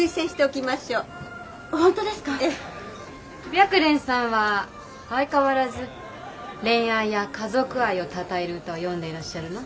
白蓮さんは相変わらず恋愛や家族愛をたたえる歌を詠んでいらっしゃるの？